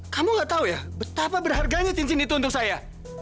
kamu gak tahu ya betapa berharganya cincin itu untuk saya